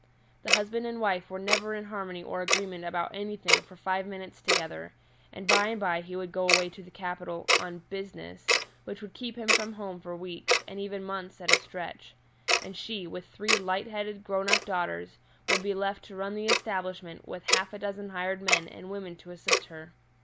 The husband and wife were never in harmony or agreement about anything for five minutes together, and by and by he would go away to the capital "on business," which would keep him from home for weeks, and even months, at a stretch. And she, with three light headed, grown up daughters, would be left to run the establishment with half a dozen hired men and women to assist her.